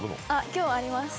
今日あります。